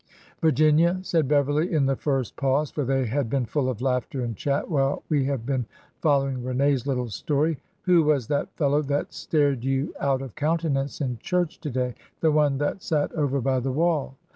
'' Virginia," said Beverly in the first pause (for they had been full of laughter and chat while we have been follow ing Rene's little story), who was that fellow that stared you out of countenance in church to day? The one that sat over by the wall."